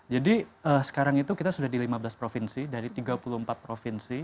jadi sekarang itu kita sudah di lima belas provinsi dari tiga puluh empat provinsi